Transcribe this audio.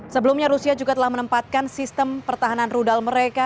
sebelumnya rusia juga telah menempatkan sistem pertahanan rudal mereka